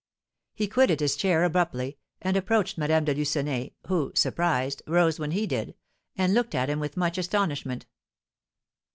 He quitted his chair abruptly, and approached Madame de Lucenay, who, surprised, rose when he did, and looked at him with much astonishment.